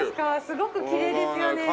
すごくきれいですよね。